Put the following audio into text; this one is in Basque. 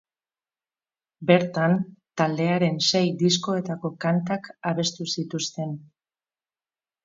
Bertan, taldearen sei diskoetako kantak abestu zituzten.